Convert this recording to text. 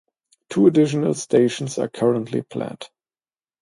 Two additional stations are currently planned.